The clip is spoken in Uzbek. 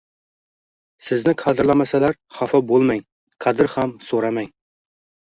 Sizni qadrlamasalar, xafa bo’lmang, qadr xam so’ramang.!